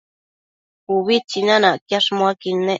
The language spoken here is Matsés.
Ubi tsinanacquiash muaquid nec